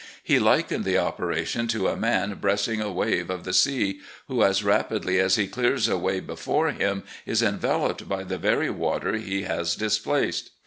He likened the operation to a man breasting a wave of the sea, who, as rapidly as he clears a way before him , is enveloped by the very water he has displaced.